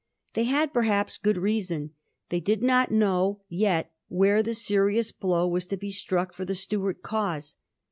They had, perhaps, good reason. They did not know yet where the serious blow was to be struck for the Stuart cause.